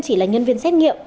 chỉ là nhân viên xét nghiệm